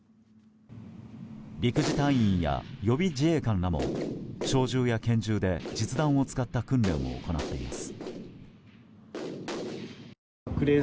陸自隊員や予備自衛官らも小銃や拳銃で実弾を使った訓練を行っています。